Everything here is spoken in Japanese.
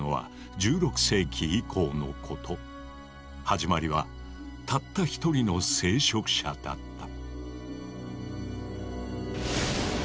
始まりはたったひとりの聖職者だった。